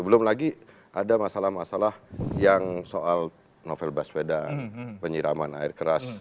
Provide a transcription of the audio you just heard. belum lagi ada masalah masalah yang soal novel baswedan penyiraman air keras